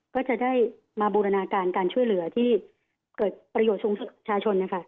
ก็จะได้มาบูรณาการการช่วยเหลือที่เกิดประโยชน์สูงสุขประชาชน